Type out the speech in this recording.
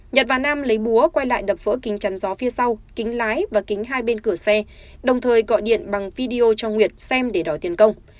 nhật và nam lấy búa quay lại đập vỡ kính chắn gió phía sau kính lái và kính hai bên cửa xe đồng thời gọi điện bằng video cho nguyệt xem để đòi tiền công